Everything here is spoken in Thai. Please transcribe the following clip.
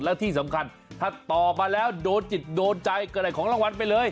แล้วที่สำคัญถ้าตอบมาแล้วโดนจิตโดนใจก็ได้ของรางวัลไปเลย